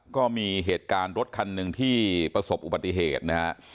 ก็มีเหตุการณ์รถคันหนึ่งที่ประสบอุบัติเหตุนะฮะ